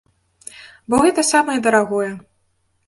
Бо гэта самае дарагое.